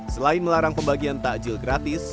selain melarang pembagian takjil gratis